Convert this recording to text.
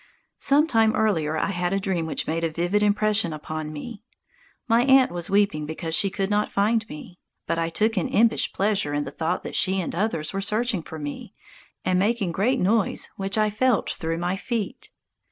Some time earlier I had a dream which made a vivid impression upon me. My aunt was weeping because she could not find me. But I took an impish pleasure in the thought that she and others were searching for me, and making great noise which I felt through my feet.